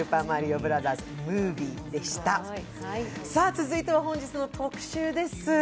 続いては、本日の特集です。